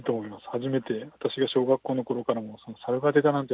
初めて、私が小学校のころからも、サルが出たなんて